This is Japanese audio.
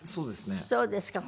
そうですか。